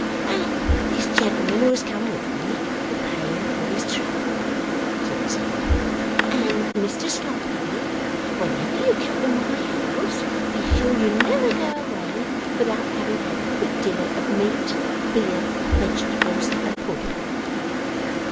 'And this gentleman who has come with me will pay him for his trouble,' said Mrs Boffin. 'And Mr Sloppy, whenever you come to my house, be sure you never go away without having had a good dinner of meat, beer, vegetables, and pudding.